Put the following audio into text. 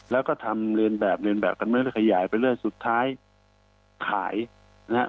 แล้วก็ทำเรียนแบบเรียนแบบกันเรื่อยขยายไปเรื่อยสุดท้ายขายนะฮะ